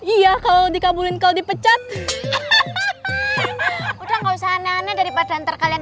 iya kalau dikabulin kau dipecat udah nggak usah nanya daripada ntar kalian